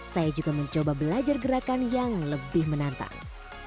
saya juga mencoba belajar gerakan yang lebih menantang